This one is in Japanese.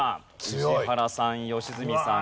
宇治原さん良純さん